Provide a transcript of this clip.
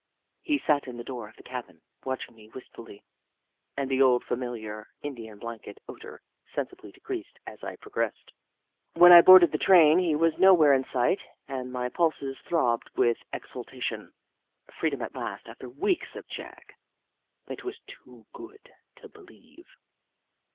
He sat in the door of the cabin, watching me wistfully, and the old, familiar, Indian blanket odour sensibly decreased as I progressed. When I boarded the train, he was nowhere in sight, and my pulses throbbed with exulta tion. Freedom at last, after weeks of Jagg ! It was too good to believe.